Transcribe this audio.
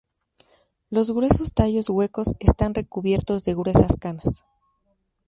Los gruesos tallos huecos están recubiertos de gruesas canas.